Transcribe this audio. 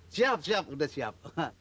siap siap udah siap